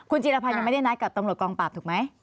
คุณจีรพันธ์ยังไม่ได้นัดกับตำรวจกองปราบถูกไหม